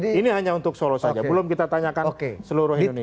ini hanya untuk solo saja belum kita tanyakan seluruh indonesia